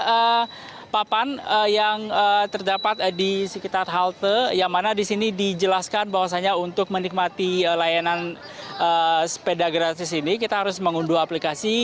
ada papan yang terdapat di sekitar halte yang mana di sini dijelaskan bahwasannya untuk menikmati layanan sepeda gratis ini kita harus mengunduh aplikasi